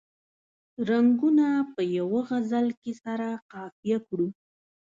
رنګونه په یوه غزل کې سره قافیه کړو.